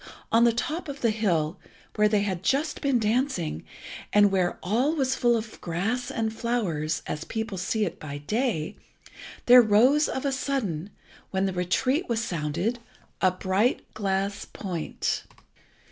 on the top of the hill, where they had just been dancing, and where all was full of grass and flowers, as people see it by day, there rose of a sudden, when the retreat was sounded, a bright glass point.